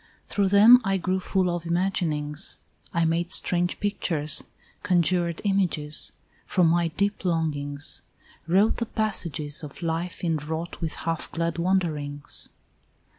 Through them I grew full of imaginings, I made strange pictures, conjured images From my deep longings; wrote the passages Of life inwrought with half glad wonderings.